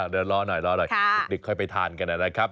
เดี๋ยวรอหน่อยดึกค่อยไปทานกันนะครับ